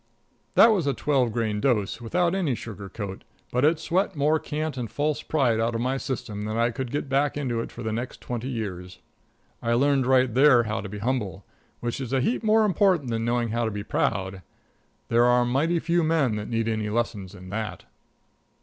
That was a twelve grain dose, without any sugar coat, but it sweat more cant and false pride out of my system than I could get back into it for the next twenty years. I learned right there how to be humble, which is a heap more important than knowing how to be proud. There are mighty few men that need any lessons in that.